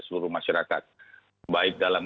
seluruh masyarakat baik dalam